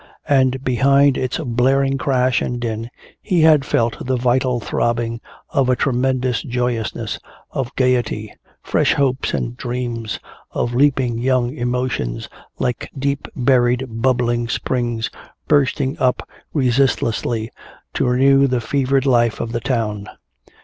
And behind its blaring crash and din he had felt the vital throbbing of a tremendous joyousness, of gaiety, fresh hopes and dreams, of leaping young emotions like deep buried bubbling springs bursting up resistlessly to renew the fevered life of the town!